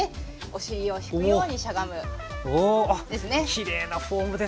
きれいなフォームですね。